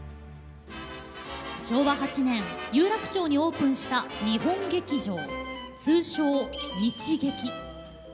昭和８年有楽町にオープンした日本劇場通称・日劇。